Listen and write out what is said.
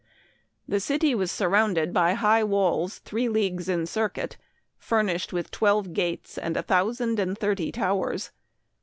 u The city was surrounded by high walls three leagues in circuit, furnished with twelve gates and a thousand and thirty towers.